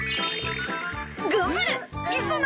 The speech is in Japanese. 頑張れ磯野！